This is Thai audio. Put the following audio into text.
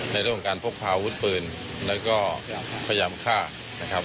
ในเรื่องของการพกพาอาวุธปืนแล้วก็พยายามฆ่านะครับ